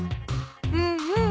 うんうん。